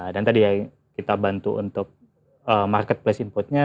dan tadi ya kita bantu untuk marketplace inputnya